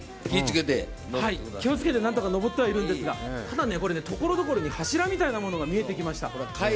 気をつけて何とか上ってはいるんですが、ただ、ところどころに柱みたいなものが見えてきました。